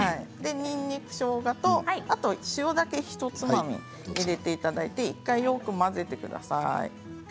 にんにく、しょうがとあと塩だけひとつまみ入れていただいて１回、大きく混ぜてください。